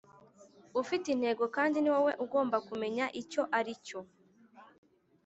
ufite intego, kandi ni wowe ugomba kumenya icyo aricyo.